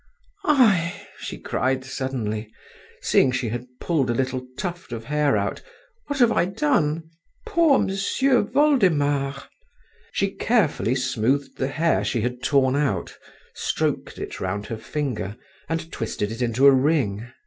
"Ai!" she cried suddenly, seeing she had pulled a little tuft of hair out. "What have I done? Poor M'sieu Voldemar!" She carefully smoothed the hair she had torn out, stroked it round her finger, and twisted it into a ring.